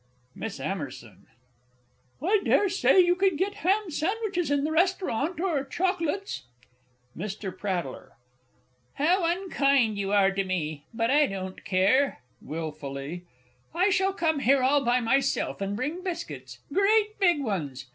MISS A. I dare say you could get ham sandwiches in the Restaurant or chocolates. MR. P. How unkind you are to me! But I don't care. (Wilfully.) I shall come here all by myself, and bring biscuits. Great big ones!